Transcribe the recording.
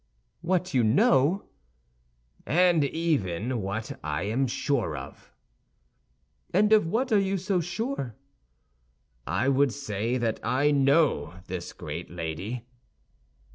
"What you know?" "And even what I am sure of." "And of what are you so sure?" "I would say that I know this great lady."